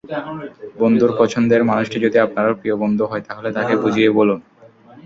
বন্ধুর পছন্দের মানুষটি যদি আপনারও প্রিয় বন্ধু হয়, তাহলে তাঁকে বুঝিয়ে বলুন।